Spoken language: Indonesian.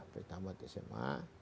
sampai tamat sma